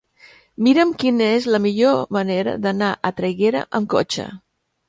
Mira'm quina és la millor manera d'anar a Traiguera amb cotxe.